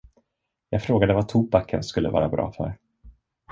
Jag frågade vad tobaken skulle vara bra för.